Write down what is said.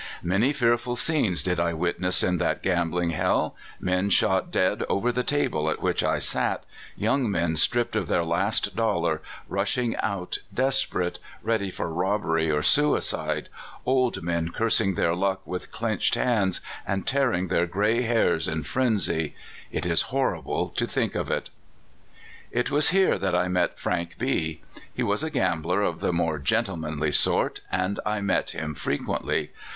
Many fearful scenes did I witness in that gambling hell — men shot dead over the table at which I sat, young men stripped of their last dollar, rushing out desperate, ready for robbery or suicide, old men cursing their luck with clenched hands, and tearing their gray hairs in frenzy — it ia horrible to think of it! A Woman of the Early Days, 37 " It was here that I met Frank B . He was a gambler of the more gentlemanly sort, and I met him frequently.